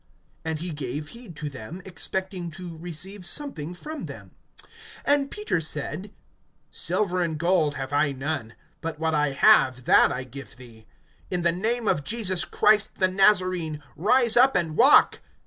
(5)And he gave heed to them, expecting to receive something from them. (6)And Peter said: Silver and gold have I none; but what I have, that I give thee. In the name of Jesus Christ, the Nazarene, rise up and walk.